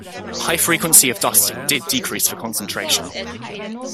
High frequency of dusting did decrease the concentration.